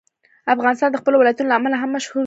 افغانستان د خپلو ولایتونو له امله هم مشهور دی.